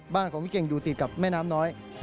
บ้านของพี่เก่งอยู่ติดกับแม่น้ำน้อย